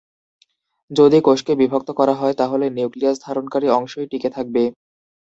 যদি কোষকে বিভক্ত করা হয়, তাহলে নিউক্লিয়াস ধারণকারী অংশই টিকে থাকবে।